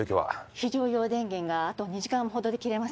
非常用電源があと２時間ほどで切れます